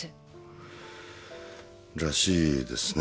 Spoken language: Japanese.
らしいですね。